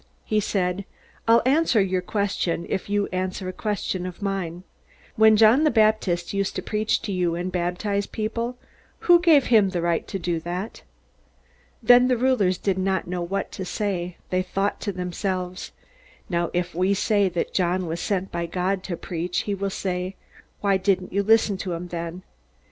He said: "I'll answer your question if you answer a question of mine. When John the Baptist used to preach to you and baptize people, who gave him the right to do that?" Then the rulers did not know what to say. They thought to themselves: _Now if we say that John was sent by God to preach, he will say, "Why didn't you listen to him, then?